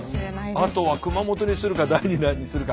あとは熊本にするか第２弾にするか。